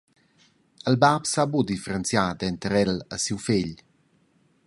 Il bab sa buca differenziar denter el e siu fegl.